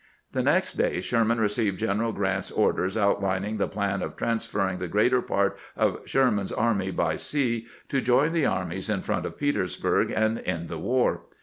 The next day Sherman received General Grant's orders outlining the plan of transferring the greater part of Sherman's army by sea to join the armies in front of Petersburg, and end the war.